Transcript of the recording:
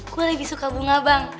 gue lebih suka bunga bang